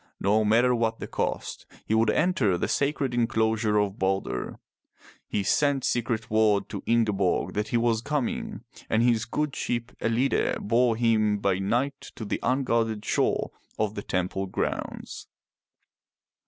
No matter what the cost, he would enter the sacred enclosure of Balder. He sent secret word to Ingeborg that he was coming, and his good ship EUide bore him by night to the unguarded shore of the temple grounds.